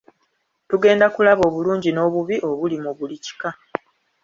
Tugenda kulaba obulungi n'obubi obuli mu buli kika.